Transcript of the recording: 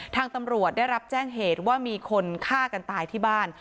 ทางตำรวจได้รับแจ้งเหตุว่ามีคนฆ่ากันตายที่บ้าน